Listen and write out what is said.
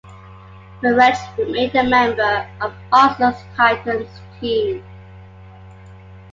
Mirage remained a member of Arsenal's Titans team.